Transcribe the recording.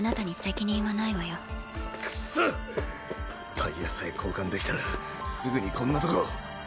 タイヤさえ交換できたらすぐにこんなとこ。